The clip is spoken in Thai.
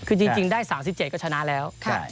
คือจริงได้๓๗ก็ชนะแล้ว